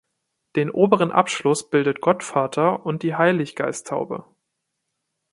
Den oberen Abschluss bildet Gottvater und die Heiliggeisttaube.